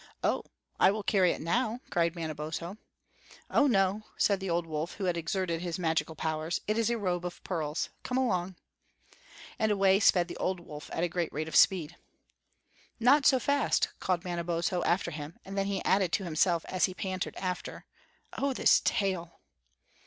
"Oh, I will carry it now," cried Manabozho. "Oh, no," said the old wolf, who had exerted his magical powers, "it is a robe of pearls. Come along!" And away sped the old wolf at a great rate of speed. "Not so fast," called Manabozho after him; and then he added to himself as he panted after, "Oh, this tail!"